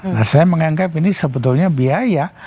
nah saya menganggap ini sebetulnya biaya